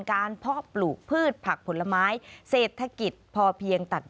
เพาะปลูกพืชผักผลไม้เศรษฐกิจพอเพียงตัด